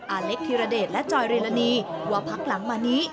อาเล็กธิรเดชและจอยเรลนีว่าพักหลังมานี้